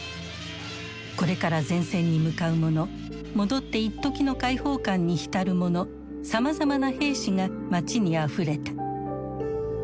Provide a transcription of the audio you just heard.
これから前線に向かう者戻っていっときの解放感に浸る者さまざまな兵士が街にあふれた。